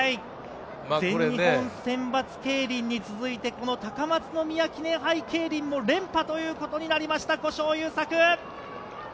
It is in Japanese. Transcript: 全日本選抜競輪に続いて、高松宮記念杯競輪も連覇ということになりました、古性優作！